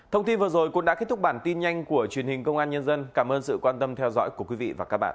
thông tin vừa rồi cũng đã kết thúc bản tin nhanh của truyền hình công an nhân dân cảm ơn sự quan tâm theo dõi của quý vị và các bạn